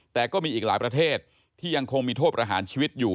แต่ก็มีอีกหลายประเทศที่ยังคงมีโทษประหารชีวิตอยู่